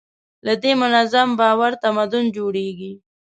له دې منظم باور تمدن جوړېږي.